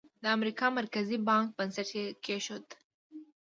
د امریکا مرکزي بانک بنسټ یې کېښود.